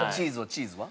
チーズは？